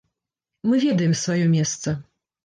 Мы ведаем сваё месца.